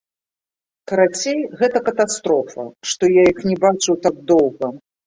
Карацей, гэта катастрофа, што я іх не бачыў так доўга.